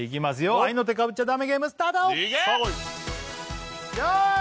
合いの手かぶっちゃダメゲームスタートよーい